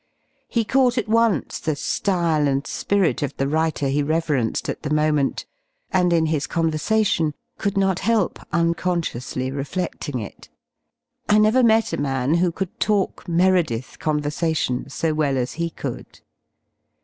He caught at once the liyle and spirit of the writer he reverenced at the moment, and in his conversation could not help unconsciously refleding it. I never met a man who could talk ''''Meredith^'* conversation so well as he could.